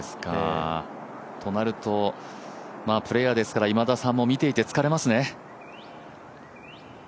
となると、プレーヤーですから今田さんも見ていて疲れますね。